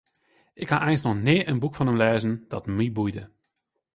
Ik ha eins noch nea in boek fan him lêzen dat my boeide.